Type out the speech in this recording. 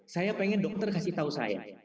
saya pengen dokter kasih tahu saya